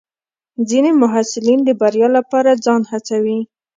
ځینې محصلین د بریا لپاره ځان هڅوي.